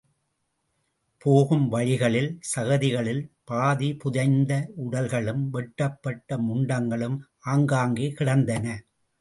போகும் வழிகளில், சகதிகளில், பாதிபுதைந்த உடல்களும், வெட்டுப்பட்ட முண்டங்களும் ஆங்காங்கே கிடந்தன.